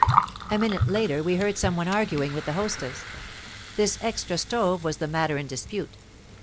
A minute later we heard some one arguing with the hostess. This extra stove was the matter in dispute.